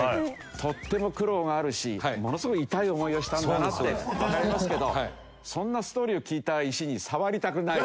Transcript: とっても苦労があるしものすごい痛い思いをしたんだなってわかりますけどそんなストーリーを聞いた石に。